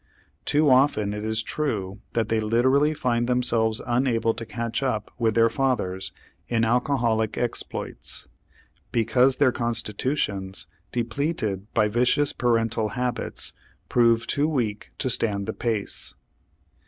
Too often it is true that they literally find themselves unable to catch up with their fathers in alcoholic exploits, because their constitutions, depleted by vicious parental habits, prove too weak to stand the pace.